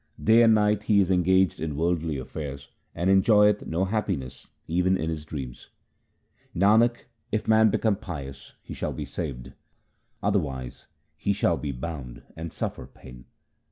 Day and night he is engaged in worldly affairs, and enjoyeth no happiness even in his dreams. Nanak, if man become pious, he shall be saved ; other wise he shall be bound and suffer pain.